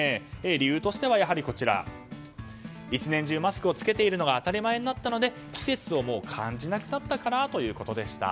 理由としては、やはり１年中マスクを着けているのが当たり前になったので季節を感じなくなったからということでした。